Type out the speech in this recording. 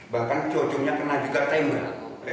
bahkan cucunya pernah juga tembak